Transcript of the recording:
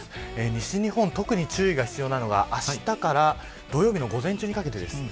西日本、特に注意が必要なのはあしたから土曜日の午前中にかけてです。